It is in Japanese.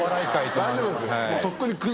大丈夫です。